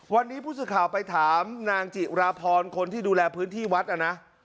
วันนี้ผู้สื่อข่าวไปถามนางจิราพรคนที่ดูแลพื้นที่วัดนะ